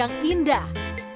dan menghasilkan karya yang indah